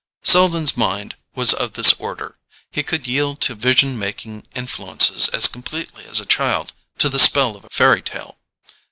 Selden's mind was of this order: he could yield to vision making influences as completely as a child to the spell of a fairy tale.